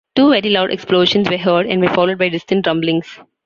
Two very loud explosions were heard and were followed by distant rumblings.